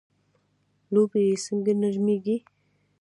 لوبیې څنګه نرمیږي؟